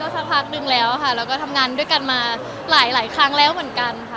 สักพักนึงแล้วค่ะแล้วก็ทำงานด้วยกันมาหลายครั้งแล้วเหมือนกันค่ะ